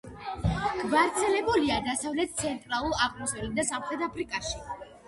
გვარცელებულია დასავლეთ, ცენტრალურ, აღმოსავლეთ და სამხრეთ აფრიკაში.